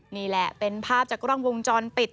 นี่แหละเป็นภาพจากกล้องวงจรปิด